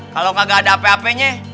kalo kagak ada ap ap nya